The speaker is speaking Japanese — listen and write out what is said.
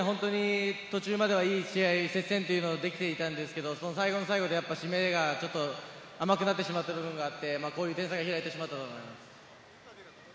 途中まではいい試合、接戦というのができていたんですけれども、最後の最後で締めが甘くなってしまった部分があって、こういう点差が開いてしまったと思います。